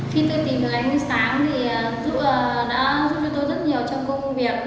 khi tôi tìm được ánh đi sáng thì đã giúp cho tôi rất nhiều trong công việc